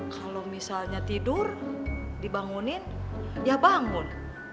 kalau misalnya tidur dibangunin ya bangun